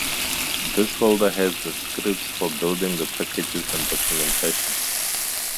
This folder has the scripts for building the packages and documentation